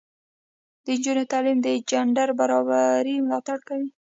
د نجونو تعلیم د جنډر برابري ملاتړ کوي.